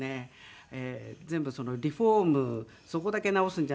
全部リフォームそこだけ直すんじゃなくて。